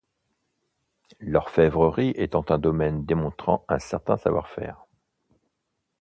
L’orfèvrerie étant un domaine démontrant un certain savoir faire.